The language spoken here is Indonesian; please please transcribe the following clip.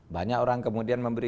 banyak orang kemudian memberi